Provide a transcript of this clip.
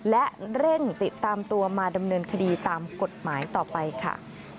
และเร่งติดตามตัวมาดำเนินคดีตามกฎหมายต่อไปค่ะ